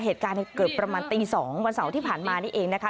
เหตุการณ์เกิดประมาณตี๒วันเสาร์ที่ผ่านมานี่เองนะคะ